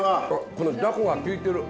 このジャコがきいてる。